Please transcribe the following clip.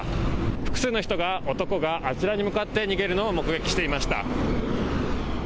複数の人が男があちらに向かって逃げるのを目撃していました。